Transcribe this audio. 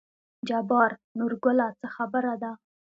جبار: نورګله څه خبره ده.